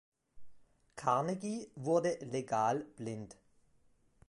Carnegie wurde legal blind.